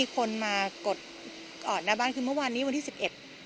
คนมากดก่อนหน้าบ้านคือเมื่อวานนี้วันที่สิบเอ็ด